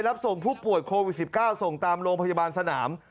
รับส่งผู้ป่วยโควิด๑๙ส่งตามโรงพยาบาลสนาม